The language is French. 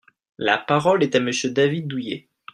La parole est à Monsieur David Douillet.